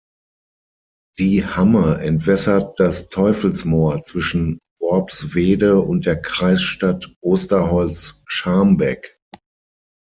Die Hamme entwässert das Teufelsmoor zwischen Worpswede und der Kreisstadt Osterholz-Scharmbeck.